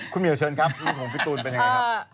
คุณเหมียวเชิญครับเรื่องของพี่ตูนเป็นยังไงครับ